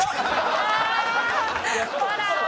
ほら！